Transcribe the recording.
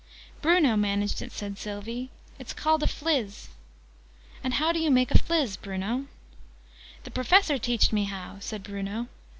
"Bruno managed it," said Sylvie. "It's called a Phlizz." "And how do you make a Phlizz, Bruno?" "The Professor teached me how," said Bruno.